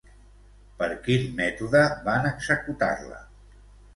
Per quin mètode van executar-la?